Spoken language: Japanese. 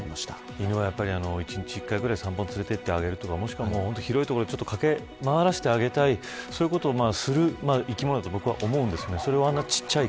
犬は一日１回ぐらい散歩に連れていくとか広い所を駆け回わらせてあげたいそういうことをする生き物だと思うんです。